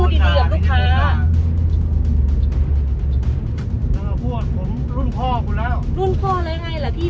เพิ่มให้พูดผ่ววรุ่นพ่อในที่กระโดด